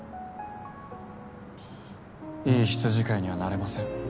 いい羊飼いにはなれません。